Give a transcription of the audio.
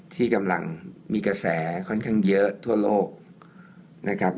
ที่กำลังมีกระแสค่อนข้างเยอะทั่วโลกนะครับ